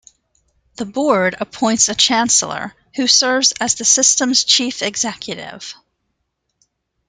The Board appoints a Chancellor, who serves as the System's chief executive.